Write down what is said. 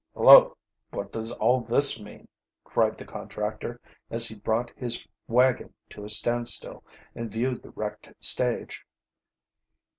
"Hullo, what does all this mean?" cried the contractor, as he brought his wagon to a standstill, and viewed the wrecked stage.